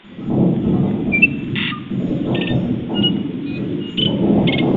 各角色会以迷你角色在短篇中登场。